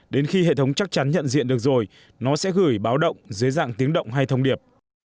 đến khi hệ thống chắc chắn nhận diện được rồi nó sẽ gửi báo động dưới dạng tiếng động hay thông điệp